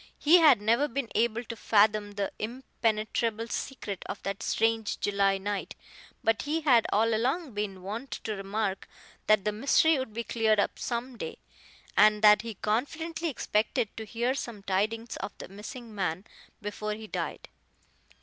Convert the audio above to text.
He had never been able to fathom the impenetrable secret of that strange July night, but he had all along been wont to remark that the mystery would be cleared up some day, and that he confidently expected to hear some tidings of the missing man before he died.